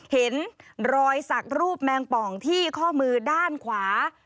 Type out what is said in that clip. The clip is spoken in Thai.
เห็นรอยสักรูปแมงป่องที่ข้อมือด้านขวา